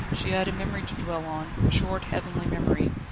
She had a memory to dwell on a short, heavenly memory.